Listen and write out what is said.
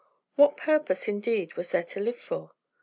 What purpose indeed was there to live for?